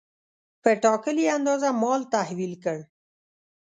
په ټاکلې اندازه مال تحویل کړ.